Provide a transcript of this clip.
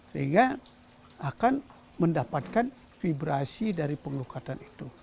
sehingga akan mendapatkan vibrasi dari penglukatan itu